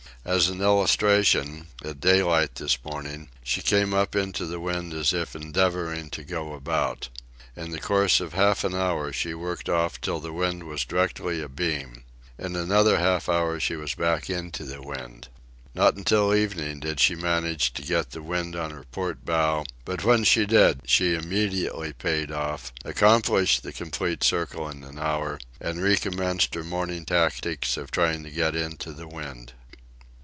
As an illustration, at daylight this morning she came up into the wind as if endeavouring to go about. In the course of half an hour she worked off till the wind was directly abeam. In another half hour she was back into the wind. Not until evening did she manage to get the wind on her port bow; but when she did, she immediately paid off, accomplished the complete circle in an hour, and recommenced her morning tactics of trying to get into the wind.